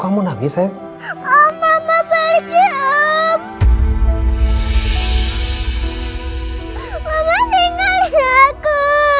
mama tinggalin aku